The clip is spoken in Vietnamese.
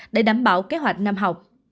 để đảm bảo kế hoạch năm học